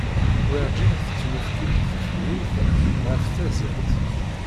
Werǧin tettunefk-iyi-d tefgurt ɣef tazzalt.